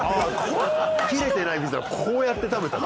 切れてないピザをこうやって食べたの？